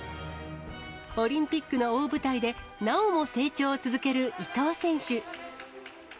オリンピックの大舞台で、なおも成長を続ける伊藤選手。